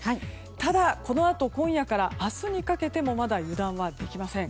ただ、このあと今夜から明日にかけてもまだ油断はできません。